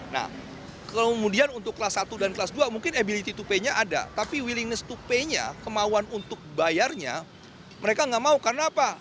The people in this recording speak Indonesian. nah kemudian untuk kelas satu dan kelas dua mungkin ability to pay nya ada tapi willingness to pay nya kemauan untuk bayarnya mereka nggak mau karena apa